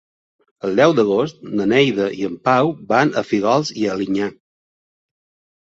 El deu d'agost na Neida i en Pau van a Fígols i Alinyà.